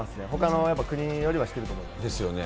ほかの国よりはしてると思います。